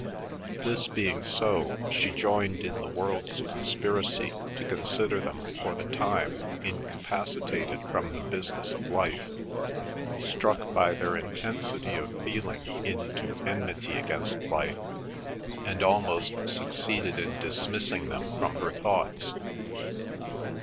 This being so, she joined in the world's conspiracy to consider them for the time incapacitated from the business of life, struck by their intensity of feeling into enmity against life, and almost succeeded in dismissing them from her thoughts.